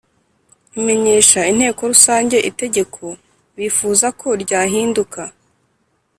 imenyesha inteko rusange itegeko bifuza ko ryahinduka.